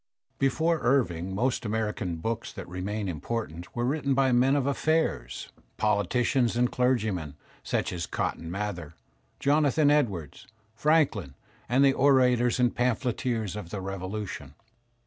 Before Irving most American books that remain important, were written by men of affairs, politicians and clergymen such as Cotton Mather, Jonathan Edwards, Franklin, and the orators and pamphleteers of the Revolution.